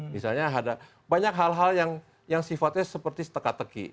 misalnya ada banyak hal hal yang sifatnya seperti seteka teki